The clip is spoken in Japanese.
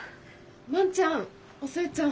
・万ちゃんお寿恵ちゃん